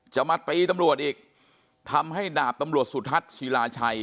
จะมาตีตำรวจอีกทำให้ดาบตำรวจสุทัศน์ศิลาชัย